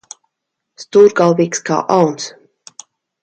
Stūrgalvīgs kā auns.